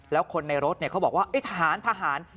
แล้วคนในรถเขาบอกว่าทหาร